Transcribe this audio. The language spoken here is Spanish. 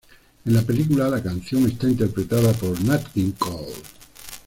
En la película la canción está interpretada por Nat King Cole.